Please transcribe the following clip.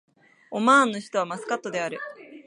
オマーンの首都はマスカットである